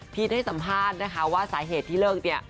ให้สัมภาษณ์นะคะว่าสาเหตุที่เลิกเนี่ย